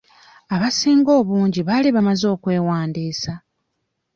Abasinga obungi baali bamaze okwewandiisa.